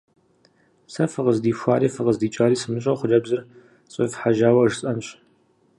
Сэ, фыкъыздихуари фыкъыздикӀари сымыщӀэу, хъыджэбзыр сфӀефхьэжьауэ жысӀэнщ.